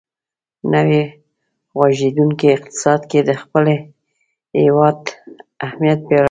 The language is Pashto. نوی غوړېدونکی اقتصاد کې د خپل هېواد اهمیت پیاوړی کړي.